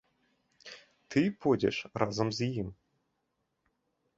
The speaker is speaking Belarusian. Ты пойдзеш разам з ім.